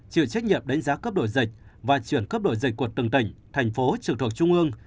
chịu trách nhiệm đánh giá cấp đổi dịch và chuyển cấp đổi dịch của từng tỉnh thành phố trực thuộc trung ương